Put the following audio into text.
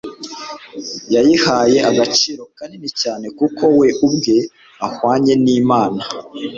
Yayihaye agaciro kanini cyane, kuko we ubwe ahwanye n'Imana,